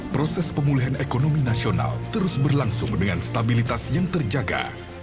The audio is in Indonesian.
proses pemulihan ekonomi nasional terus berlangsung dengan stabilitas yang terjaga